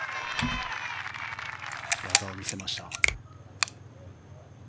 技を見せました。